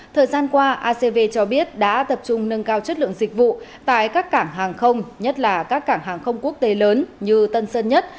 thời gian qua acv cho biết đã tập trung nâng cao chất lượng dịch vụ tại các cảng hàng không nhất là các cảng hàng không quốc tế lớn như tân sơn nhất